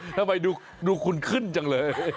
ทำไมดูคุณขึ้นจังเลย